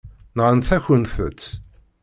Nɣant-akent-t.